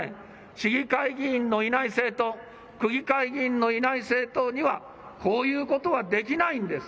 市議会議員のいない政党、区議会議員のいない政党にはこういうことはできないんです。